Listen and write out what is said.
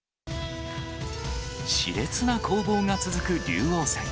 しれつな攻防が続く竜王戦。